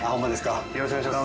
よろしくお願いします。